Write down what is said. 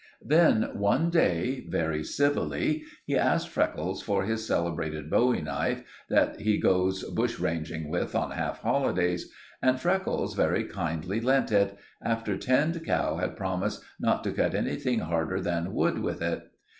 Then, one day, very civilly, he asked Freckles for his celebrated bowie knife, that he goes bush ranging with on half holidays, and Freckles very kindly lent it, after Tinned Cow had promised not to cut anything harder than wood with it.